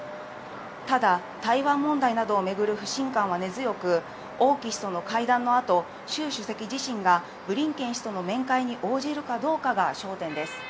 ただ、台湾問題などを巡る不信感は根強く、オウ・キ氏との会談の後、シュウ主席自身がブリンケン氏との面会に応じるかどうかが焦点です。